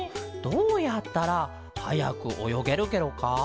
どうやったらはやくおよげるケロか？